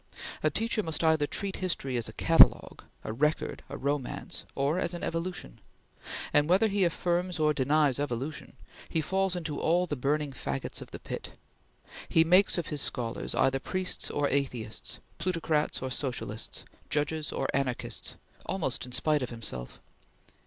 A teacher must either treat history as a catalogue, a record, a romance, or as an evolution; and whether he affirms or denies evolution, he falls into all the burning faggots of the pit. He makes of his scholars either priests or atheists, plutocrats or socialists, judges or anarchists, almost in spite of himself.